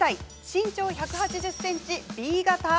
身長１８０ｃｍ、Ｂ型。